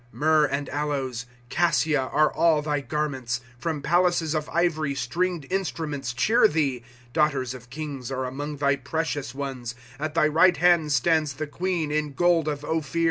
^ llyrrh and aloes, cassia, are all thy garments ; From palaces of ivory stringed instruments cheer thee. ^ Daughters of kings are among thy precious ones ;, At thy right hand stands the queen, in gold of Ophir.